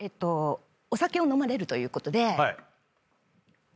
お酒を飲まれるということで。